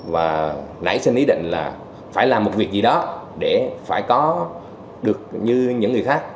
và nảy sinh ý định là phải làm một việc gì đó để phải có được như những người khác